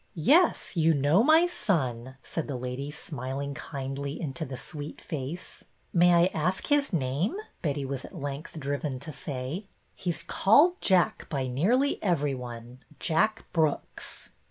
Yes, you know my son," said the lady, smil ing kindly into the sweet face. May I ask his name? " Betty was at length driven to say. '' He 's called Jack by nearly every one, — Jack Brooks."